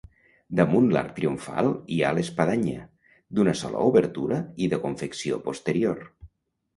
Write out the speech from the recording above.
Damunt l'arc triomfal hi ha l'espadanya, d'una sola obertura i de confecció posterior.